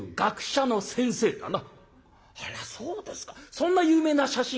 そんな有名な写真家」。